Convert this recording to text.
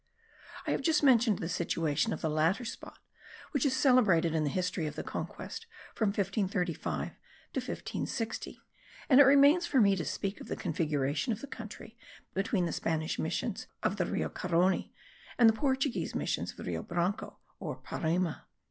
I have just mentioned the situation of the latter spot, which is celebrated in the history of the conquest from 1535 to 1560; and it remains for me to speak of the configuration of the country between the Spanish missions of the Rio Carony, and the Portuguese missions of the Rio Branco or Parima.